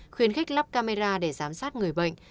khuyến khích lắp camera để giám sát người bệnh